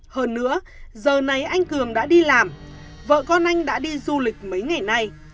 hơn nữa giờ này anh cường đã đi làm vợ con anh đã đi du lịch mấy ngày nay